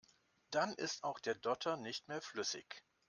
Dann ist auch der Dotter nicht mehr flüssig.